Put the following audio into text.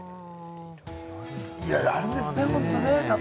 いろいろあるんですね。